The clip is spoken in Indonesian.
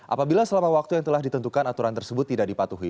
apabila selama waktu yang telah ditentukan aturan tersebut tidak dipatuhi